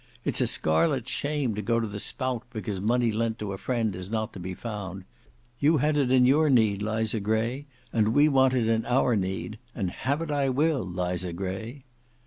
It's a scarlet shame to go to the spout because money lent to a friend is not to be found. You had it in your need, Liza Gray, and we want it in our need; and have it I will, Liza Gray."